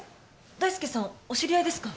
大介さんお知り合いですか？